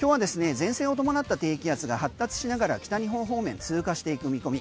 前線を伴った低気圧が発達しながら北日本方面通過していく見込み。